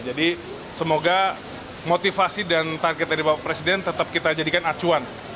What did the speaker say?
jadi semoga motivasi dan target dari bapak presiden tetap kita jadikan acuan